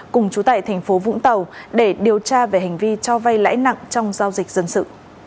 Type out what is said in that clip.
cùng chú tại thành phố vũng tàu để điều tra về hành vi cho vay lãi nặng trong giao dịch dân sự